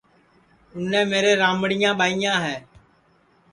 اِنے میرے رمڑیاں ٻائیاں تیا